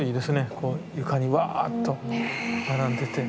こう床にワーっと並んでて。